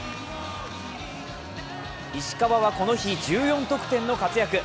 石川はこの日、１４得点の活躍。